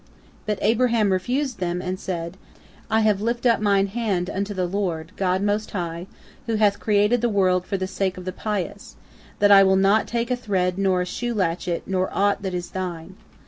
But Abraham refused them, and said: "I have lift up mine hand unto the Lord, God Most High, who hath created the world for the sake of the pious, that I will not take a thread nor a shoe latchet nor aught that is thine.